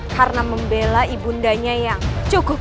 karena membelai bundanya yang cukup